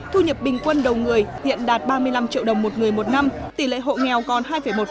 thu nhập bình quân đầu người hiện đạt ba mươi năm triệu đồng một người một năm tỷ lệ hộ nghèo còn hai một